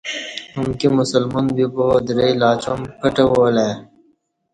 امکی مسلمان بیبا درئ لعیں چام پٹہ والہ ای